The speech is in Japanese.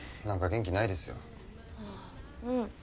何か元気ないですよ。